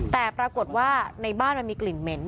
แต่ปรากฏว่าในบ้านมันมีกลิ่นเหม็น